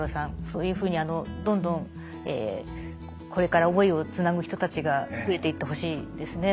そういうふうにどんどんこれから思いをつなぐ人たちが増えていってほしいですね。